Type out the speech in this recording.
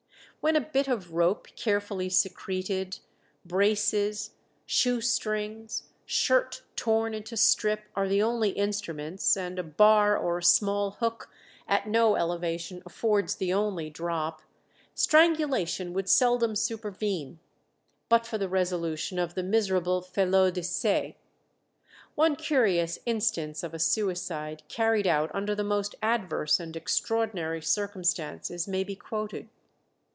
When a bit of rope carefully secreted, braces, shoe strings, shirt torn into strips are the only instruments, and a bar or small hook at no elevation affords the only drop, strangulation would seldom supervene but for the resolution of the miserable felo de se. One curious instance of a suicide carried out under the most adverse and extraordinary circumstances may be quoted.